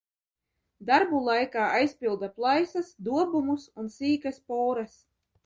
Darbu laikā aizpilda plaisas, dobumus un sīkas poras.